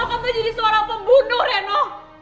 aku gak mau kamu jadi seorang pembunuh reno